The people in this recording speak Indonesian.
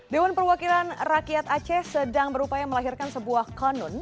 dewan perwakilan rakyat aceh sedang berupaya melahirkan sebuah kanun